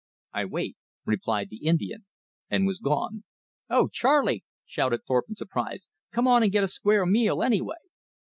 "I wait," replied the Indian, and was gone. "Oh, Charley!" shouted Thorpe in surprise. "Come on and get a square meal, anyway."